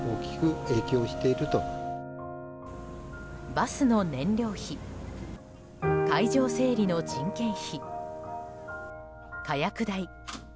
バスの燃料費会場整理の人件費火薬代。